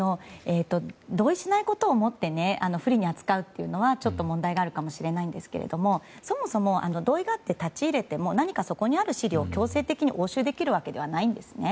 同意しないことをもって不利に扱うっていうのはちょっと問題があるかもしれないんですけれどもそもそも、同意があって立ち入れても何か、そこにある資料を強制的に押収できるわけではないんですね。